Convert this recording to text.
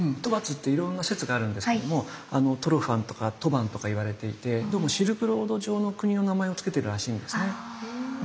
兜跋っていろんな説があるんですけどもトゥルファンとか吐蕃とか言われていてどうもシルクロード上の国の名前を付けてるらしいんですね。